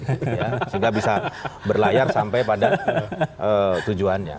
sehingga bisa berlayar sampai pada tujuannya